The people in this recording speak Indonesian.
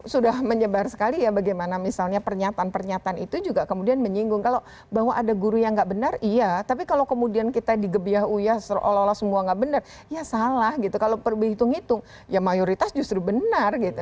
sudah menyebar sekali ya bagaimana misalnya pernyataan pernyataan itu juga kemudian menyinggung kalau bahwa ada guru yang nggak benar iya tapi kalau kemudian kita digebiah uyah seolah olah semua nggak benar ya salah gitu kalau perlu dihitung hitung ya mayoritas justru benar gitu